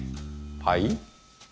はい？